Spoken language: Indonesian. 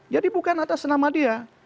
jadi bukan atas nama dia